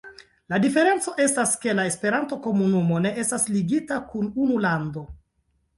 La diferenco estas, ke la Esperanto-komunumo ne estas ligita kun unu lando.